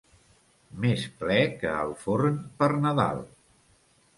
Més ple que el forn per Nadal.